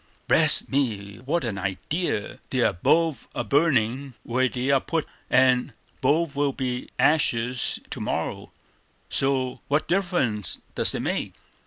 "Bless me, what an idee! They are both a burnin' where they are put, and both will be ashes to morrow; so what difference doos it make?"